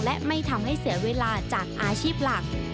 และไม่ทำให้เสียเวลาจากอาชีพหลัก